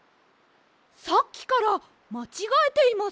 さっきからまちがえています。